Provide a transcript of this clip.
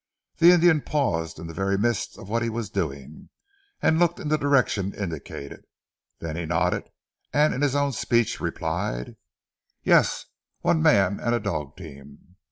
The Indian paused in the very midst of what he was doing, and looked in the direction indicated, then he nodded, and in his own speech replied "Yes, one man and a dog team."